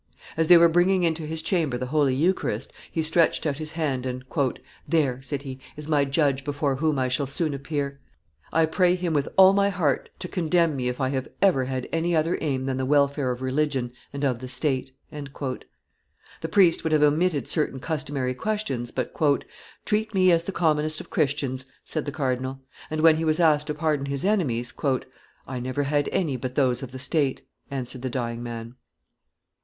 As they were bringing into his chamber the Holy Eucharist, he stretched out his hand, and, "There," said he, "is my Judge before whom I shall soon appear; I pray him with all my heart to condemn me if I have ever had any other aim than the welfare of religion and of the state." The priest would have omitted certain customary questions, but, "Treat me as the commonest of Christians," said the cardinal. And when he was asked to pardon his enemies, "I never had any but those of the state," answered the dying man.